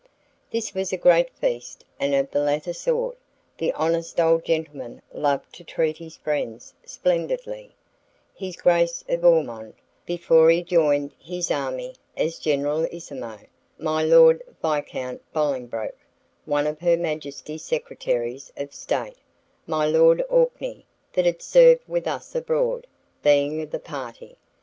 This was a great feast, and of the latter sort; the honest old gentleman loved to treat his friends splendidly: his Grace of Ormonde, before he joined his army as generalissimo, my Lord Viscount Bolingbroke, one of her Majesty's Secretaries of State, my Lord Orkney, that had served with us abroad, being of the party.